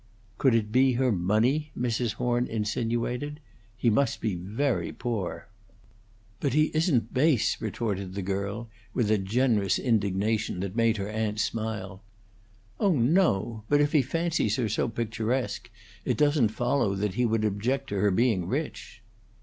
"Could it be her money?" Mrs. Horn insinuated. "He must be very poor." "But he isn't base," retorted the girl, with a generous indignation that made her aunt smile. "Oh no; but if he fancies her so picturesque, it doesn't follow that he would object to her being rich."